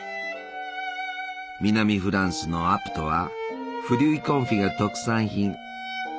南フランスのアプトはフリュイ・コンフィが特産品。